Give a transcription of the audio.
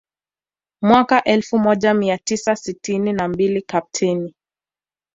Mwaka elfu moja mia tisa sitini na mbili Kapteni